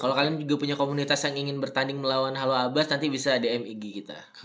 kalau kalian juga punya komunitas yang ingin bertanding melawan halo abbas nanti bisa dmeg kita